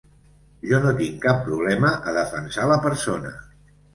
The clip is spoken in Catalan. Jo no tinc cap problema a defensar la persona.